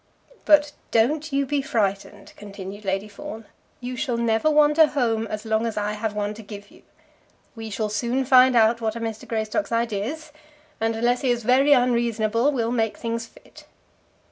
"But don't you be frightened," continued Lady Fawn; "you shall never want a home as long as I have one to give you. We shall soon find out what are Mr. Greystock's ideas; and unless he is very unreasonable we'll make things fit."